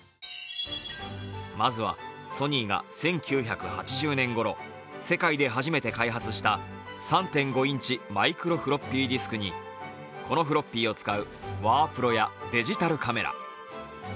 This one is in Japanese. まずはソニーが１９８０年ごろ世界で初めて開発した３．５インチ・マイクロフロッピーディスクにこのフロッピーを使うワープロやデジタルカメラ。